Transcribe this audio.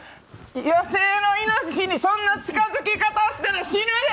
野生のイノシシにそんな近づき方したら死ぬで！